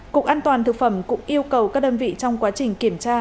cục an toàn thực phẩm cũng yêu cầu các đơn vị trong quá trình kiểm tra